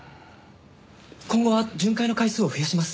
今後は巡回の回数を増やします。